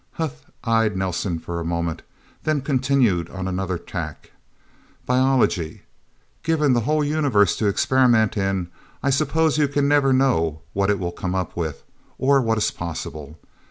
Huth eyed Nelsen for a moment, then continued on another tack. "Biology... Given the whole universe to experiment in, I suppose you can never know what it will come up with or what is possible.